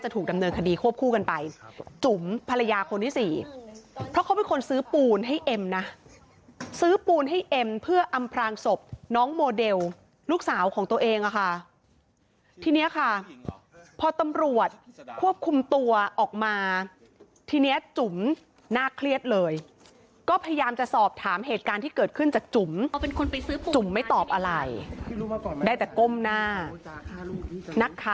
ถูกดำเนินคดีควบคู่กันไปจุ๋มภรรยาคนที่สี่เพราะเขาเป็นคนซื้อปูนให้เอ็มนะซื้อปูนให้เอ็มเพื่ออำพรางศพน้องโมเดลลูกสาวของตัวเองอะค่ะทีนี้ค่ะพอตำรวจควบคุมตัวออกมาทีเนี้ยจุ๋มน่าเครียดเลยก็พยายามจะสอบถามเหตุการณ์ที่เกิดขึ้นจากจุ๋มจุ๋มไม่ตอบอะไรได้แต่ก้มหน้านะคะ